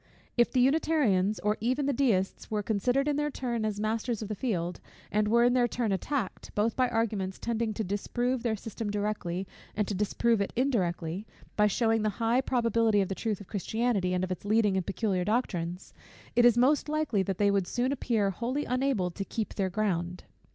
If the Unitarians, or even the Deists, were considered in their turn as masters of the field; and were in their turn attacked, both by arguments tending to disprove their system directly, and to disprove it indirectly, by shewing the high probability of the truth of Christianity, and of its leading and peculiar doctrines, it is most likely that they would soon appear wholly unable to keep their ground.